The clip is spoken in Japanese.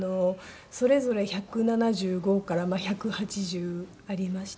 それぞれ１７５から１８０ありまして。